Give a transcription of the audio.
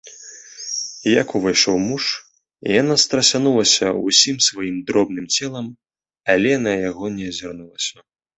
Як увайшоў муж, яна страсянулася ўсім сваім дробным целам, але на яго не азірнулася.